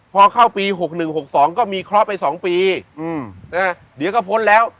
พอเข้าปีหกหนึ่งหกสองก็มีคลอสไปสองปีอืมนะฮะเดี๋ยวก็พ้นแล้ว